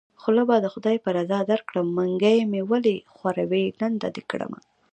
خوله به د خدای په رضا درکړم منګۍ مې ولی ښوروی لنده دې کړمه